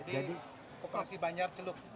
jadi kooperasi banjar celuk